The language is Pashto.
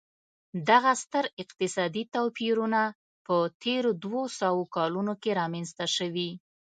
دغه ستر اقتصادي توپیرونه په تېرو دوه سوو کلونو کې رامنځته شوي.